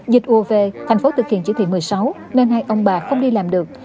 dịch ua về tp hcm thực hiện chỉ thị một mươi sáu nên hai ông bà không đi làm được